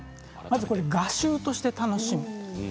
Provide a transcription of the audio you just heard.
まず画集として楽しむ。